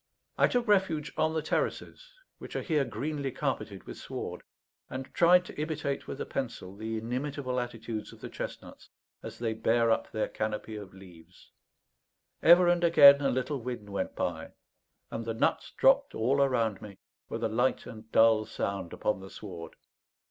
I took refuge on the terraces, which are here greenly carpeted with sward, and tried to imitate with a pencil the inimitable attitudes of the chestnuts as they bear up their canopy of leaves. Ever and again a little wind went by, and the nuts dropped all around me, with a light and dull sound, upon the sward.